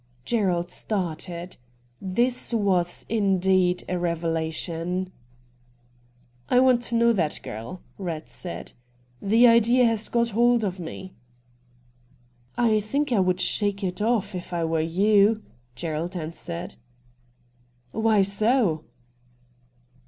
Gerald started. This was, indeed, a reve lation. ' I want to know that girl,' Ratt said. ' The idea has got hold of me.' * I think I would shake it off if I were you,' Gerald answered. ' Why so